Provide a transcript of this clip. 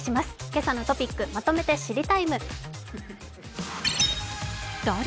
「けさのトピックまとめて知りＴＩＭＥ，」。